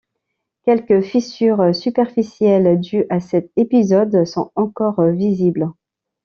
Quelques fissures superficielles dues à cet épisode sont encore visibles.